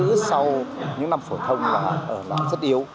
ngoại ngữ sau những năm phổ thông là rất yếu